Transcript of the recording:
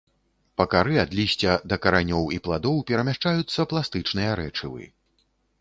Па кары ад лісця да каранёў і пладоў перамяшчаюцца пластычныя рэчывы.